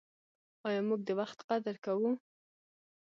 آیا موږ د وخت قدر کوو؟